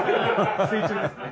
水中ですね。